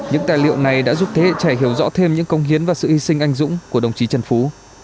những tài liệu này đã giúp thế hệ trẻ hiểu rõ thêm những công hiến và sự hy sinh anh dũng của đồng chí trần phú